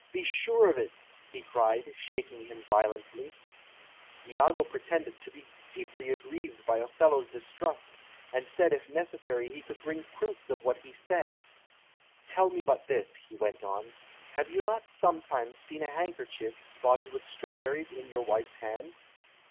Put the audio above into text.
Be sure of it!" he cried, shaking him violently. [Illustration: "Villain, be sure you prove my love untrue!"] Iago pretended to be deeply aggrieved by Othello's distrust, and said if necessary he could bring proofs of what he said. "Tell me but this," he went on: "have you not sometimes seen a handkerchief, spotted with strawberries, in your wife's hand?"